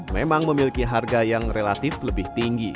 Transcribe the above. memang memiliki harga yang relatif lebih tinggi